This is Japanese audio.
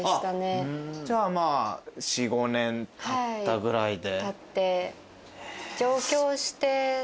４５年たったぐらいで。